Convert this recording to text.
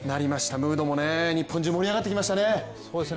ムードも日本中盛り上がってきましたね。